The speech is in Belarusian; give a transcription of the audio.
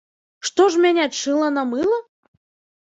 Што ж мяняць шыла на мыла?!